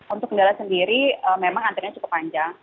untuk kendala sendiri memang antriannya cukup panjang